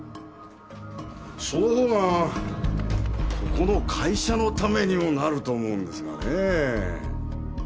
そのほうがここの会社のためにもなると思うんですがねえ。